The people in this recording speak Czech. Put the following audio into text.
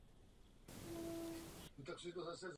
Zejména lvy chovali také čeští králové.